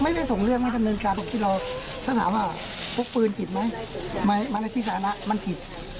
ถ้าถามว่าพกปืนผิดไหมมาในที่สถานะมันผิด